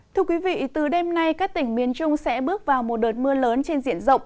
thưa quý vị từ đêm nay các tỉnh miền trung sẽ bước vào một đợt mưa lớn trên diện rộng